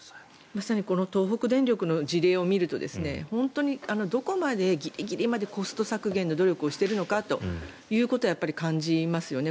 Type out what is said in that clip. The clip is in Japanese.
まさに東北電力の事例を見ると本当にどこまでギリギリまでコスト削減の努力をしているのかと感じますよね。